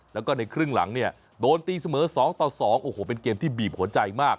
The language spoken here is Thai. แล้วก็ในครึ่งหลังเนี่ยโดนตีเสมอ๒ต่อ๒โอ้โหเป็นเกมที่บีบหัวใจมาก